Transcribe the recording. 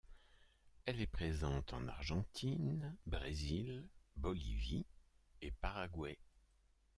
Elle est présente en Argentine, Brésil, Bolivie et Paraguay.